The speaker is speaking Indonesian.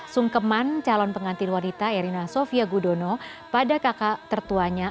sungkeman calon pengantin wanita erina sofia gudono pada kakak tertuanya